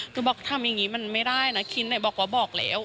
คือบอกทำอย่างนี้มันไม่ได้นะคินบอกว่าบอกแล้ว